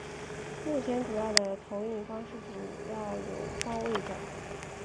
目前主要的投影方式主要有方位角。